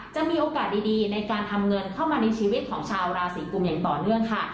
จะมีโอกาสดีในการทำเงินเข้ามาในชีวิตของชาวราศีกุมอย่างต่อเนื่องค่ะ